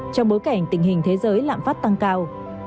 trong bối cảnh tình hình thế giới lạm phát tăng cao